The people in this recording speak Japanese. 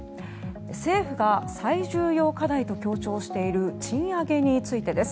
政府が最重要課題と強調している賃上げについてです。